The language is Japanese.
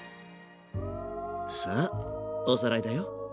さあおさらいだよ。